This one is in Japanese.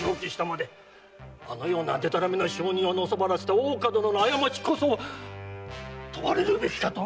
あのようなでたらめな証人をのさばらせた大岡殿の過ちこそ問われるべきかと！